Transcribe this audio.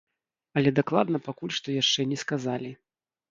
Але дакладна пакуль што яшчэ не сказалі.